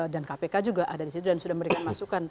dan kpk juga ada di situ dan sudah memberikan masukan